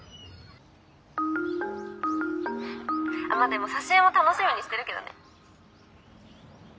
あっまあでも挿絵も楽しみにしてるけどね。